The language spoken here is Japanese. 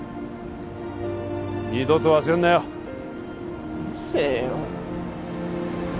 二度と忘れんなようるせえよ